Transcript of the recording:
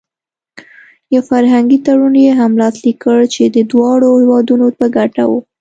یو فرهنګي تړون یې هم لاسلیک کړ چې د دواړو هېوادونو په ګټه و.